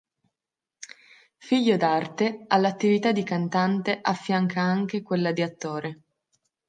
Figlio d'arte, all'attività di cantante affianca anche quella di attore.